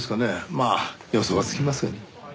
まあ予想はつきますがね。